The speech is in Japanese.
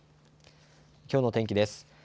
きょうの天気です。